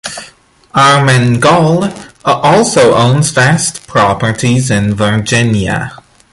Armengol also owns vast properties in Virginia.